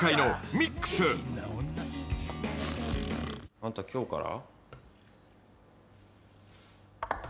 「あんた今日から？」